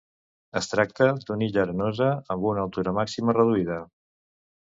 Es tracta d'una illa arenosa amb una altura màxima reduïda.